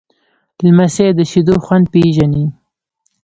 لمسی د شیدو خوند پیژني.